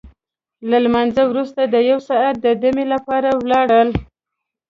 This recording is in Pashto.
له لمانځه وروسته د یو ساعت دمې لپاره ولاړل.